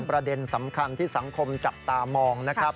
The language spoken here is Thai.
ประเด็นสำคัญที่สังคมจับตามองนะครับ